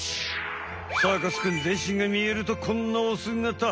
サーカスくんぜんしんがみえるとこんなおすがた。